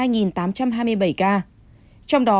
trong đó thợ ocd